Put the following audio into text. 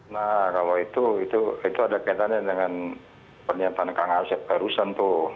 nah kalau itu itu ada kaitannya dengan pernyataan kang asep barusan tuh